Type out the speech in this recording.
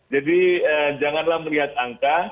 jadi janganlah melihat angka